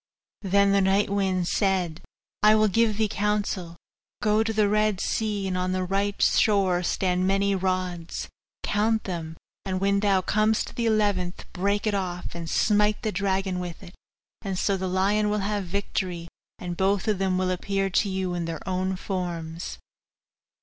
Then the night wind said, 'I will give thee counsel. Go to the Red Sea; on the right shore stand many rods count them, and when thou comest to the eleventh, break it off, and smite the dragon with it; and so the lion will have the victory, and both of them will appear to you in their own forms.